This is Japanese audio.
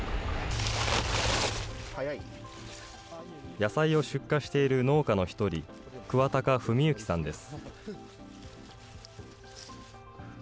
野菜を出荷している農家の１人、桑高史之さんです。